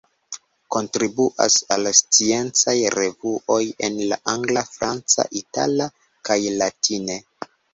Kontribuas al sciencaj revuoj en la angla, franca, itala kaj latine.